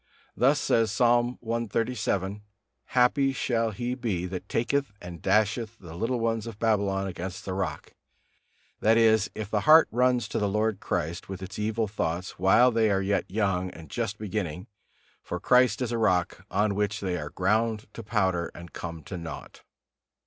Thus says Psalm cxxxvii: "Happy shall he be, that taketh and dasheth the little ones of Babylon against the rock," that is, if the heart runs to the Lord Christ with its evil thoughts while they are yet young and just beginning; for Christ is a Rock, on which they are ground to powder and come to naught.